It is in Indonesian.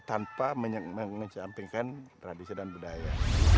tanpa mencampingkan tradisi dan budaya